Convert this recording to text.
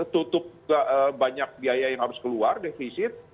tutup banyak biaya yang harus keluar defisit